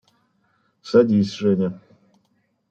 – Садись, Женя.